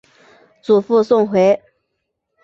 祖父宋回。